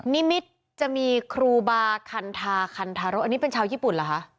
นิมิตรจะมีครูบาคันทาคันทารกอันนี้เป็นชาวญี่ปุ่นเหรอคะ